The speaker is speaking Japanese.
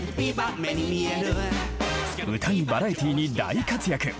歌にバラエティに大活躍。